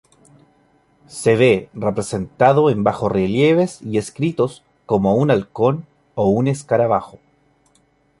Se ve representado en bajorrelieves y escritos como un Halcón o un Escarabajo.